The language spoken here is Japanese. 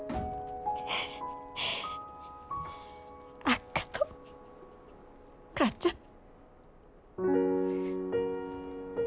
あっがとう母ちゃん。